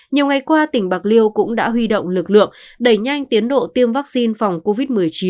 nhiều ngày qua tỉnh bạc liêu cũng đã huy động lực lượng đẩy nhanh tiến độ tiêm vaccine phòng covid một mươi chín